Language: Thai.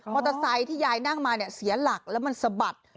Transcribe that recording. เตอร์ไซค์ที่ยายนั่งมาเนี่ยเสียหลักแล้วมันสะบัด